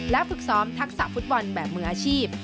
ฝึกซ้อมทักษะฟุตบอลแบบมืออาชีพ